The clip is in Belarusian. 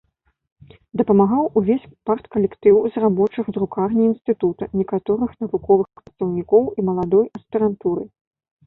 Дапамагаў увесь парткалектыў з рабочых друкарні інстытута, некаторых навуковых працаўнікоў і маладой аспірантуры.